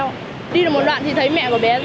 các sinh viên nhanh chóng quay lại